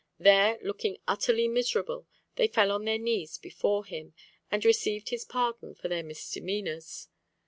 There, looking utterly miserable, they fell on their knees before him, and received his pardon for their misdemeanours.